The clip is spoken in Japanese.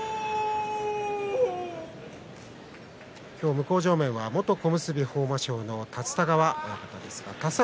向正面は元小結豊真将の立田川親方です。